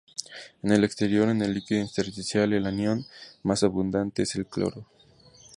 En el exterior, en el líquido intersticial, el anión más abundante es el cloro.